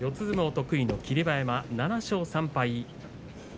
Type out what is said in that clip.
相撲を得意の霧馬山７勝３敗。